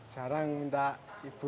jarang minta ibu